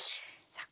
さあ